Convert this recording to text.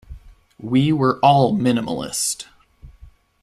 We were all minimalist.